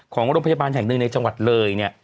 ของโรงพยาบาลแห่งหนึ่งในจังหวัดเลยเนี่ย